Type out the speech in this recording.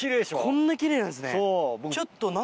こんな奇麗なんですね。